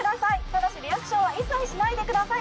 ただしリアクションは一切しないでください